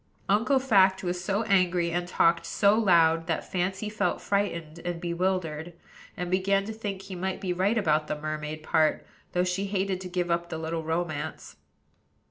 Uncle Fact was so angry and talked so loud, that Fancy felt frightened and bewildered; and began to think he might be right about the mermaid part, though she hated to give up the little romance.